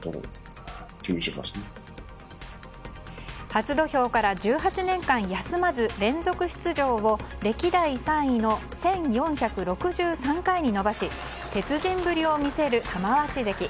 初土俵から１８年間休まず連続出場を歴代３位の１４６３回に伸ばし鉄人ぶりを見せる玉鷲関。